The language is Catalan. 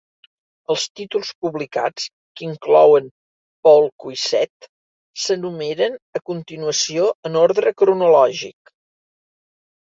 Els títols publicats que inclouen Paul Cuisset s'enumeren a continuació en ordre cronològic.